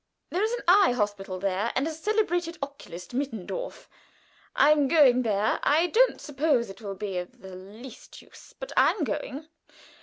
There is an eye hospital there, and a celebrated oculist Mittendorf. I am going there. I don't suppose it will be of the least use; but I am going.